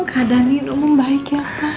keadaan ini umum baik ya pak